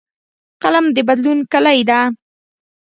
قلم د بدلون کلۍ ده